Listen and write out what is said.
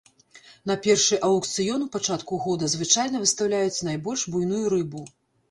На першы аўкцыён у пачатку года звычайна выстаўляюць найбольш буйную рыбу.